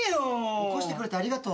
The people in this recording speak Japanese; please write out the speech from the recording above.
起こしてくれてありがとう。